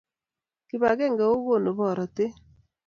Kipakenge kokonu boratet